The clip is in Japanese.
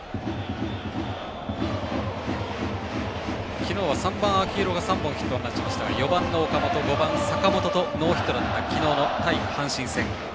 昨日は３番、秋広が３本ヒットを話しましたが４番の岡本、５番の坂本とノーヒットだった昨日の対阪神戦。